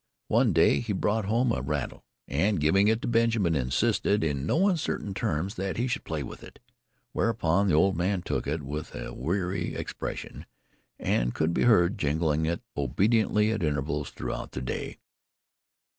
One day he brought home a rattle and, giving it to Benjamin, insisted in no uncertain terms that he should "play with it," whereupon the old man took it with a weary expression and could be heard jingling it obediently at intervals throughout the day.